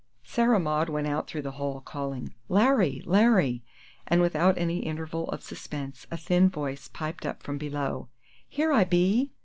Sarah Maud went out through the hall, calling, "Larry! Larry!" and without any interval of suspense a thin voice piped up from below, "Here I be!"